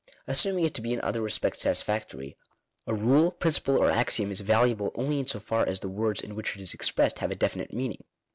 Assuming it to be in other respects satisfactory, a rule, principle, or axiom, is valuable only in so far as the words in which it is expressed have a definite meaning.